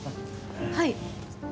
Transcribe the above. はい。